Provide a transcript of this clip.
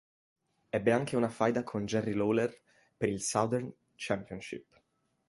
Ebbe anche una faida con Jerry Lawler per il Southern Championship.